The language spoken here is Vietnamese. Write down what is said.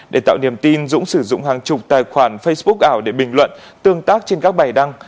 để tạo niềm tin dũng sử dụng hàng chục tài khoản facebook ảo để bình luận tương tác trên các bài đăng